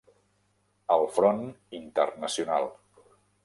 Al front internacional.